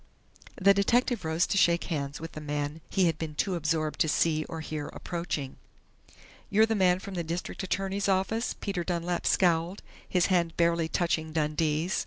The detective rose to shake hands with the man he had been too absorbed to see or hear approaching. "You're the man from the district attorney's office?" Peter Dunlap scowled, his hand barely touching Dundee's.